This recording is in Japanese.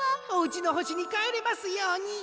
おうちのほしにかえれますように。